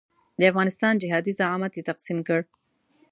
د افغانستان جهادي زعامت یې تقسیم کړ.